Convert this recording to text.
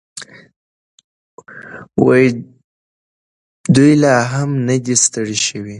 دی لا هم نه دی ستړی شوی.